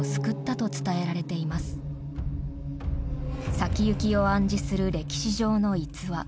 先行きを暗示する歴史上の逸話。